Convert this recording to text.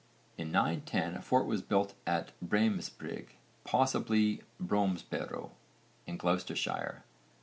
In 910 a fort was built at 'Bremesbyrig,' possibly Bromesberrow in Gloucestershire.